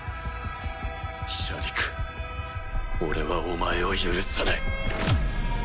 シャディク俺はお前を許さない。